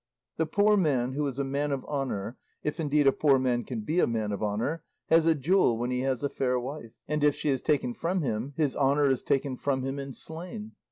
The poor man who is a man of honour (if indeed a poor man can be a man of honour) has a jewel when he has a fair wife, and if she is taken from him, his honour is taken from him and slain.